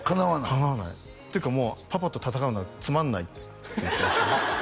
かなわないというかもうパパと戦うのはつまんないって言ってました